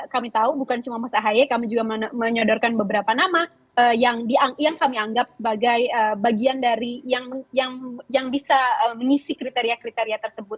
kami tahu bukan cuma mas ahaye kami juga menyodorkan beberapa nama yang kami anggap sebagai bagian dari yang bisa mengisi kriteria kriteria tersebut